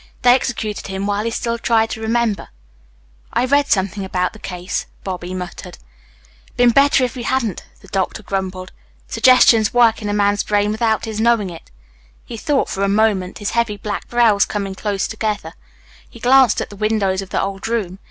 They executed him while he still tried to remember." "I read something about the case," Bobby muttered. "Been better if you hadn't," the doctor grumbled. "Suggestions work in a man's brain without his knowing it." He thought for a moment, his heavy, black brows coming closer together. He glanced at the windows of the old room.